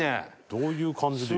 どういう感じでいるの？